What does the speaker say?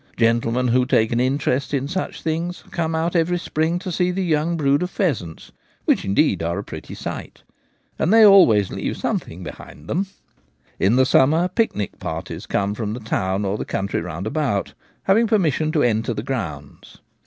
Gentlemen who take an interest in such things come out every spring to see the young broods of pheasants — which, indeed, are a pretty sight — and they always leave something behind them. In the summer a few picnic parties come from the town or the country round about, having permission to enter the grounds.